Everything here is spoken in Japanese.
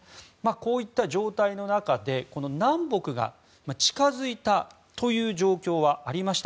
こういった状態の中で南北が近づいたという状況はありました。